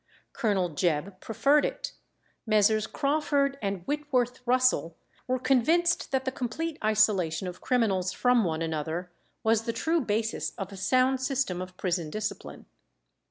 Colonel Jebb preferred it; Messrs. Crawford and Whitworth Russell were convinced that the complete isolation of criminals from one another was the true basis of a sound system of prison discipline.